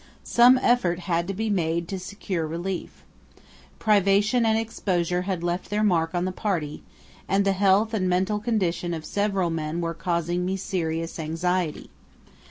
Some effort had to be made to secure relief. Privation and exposure had left their mark on the party, and the health and mental condition of several men were causing me serious anxiety.